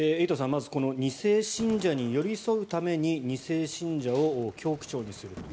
まず２世信者に寄り添うために２世信者を教区長にすると。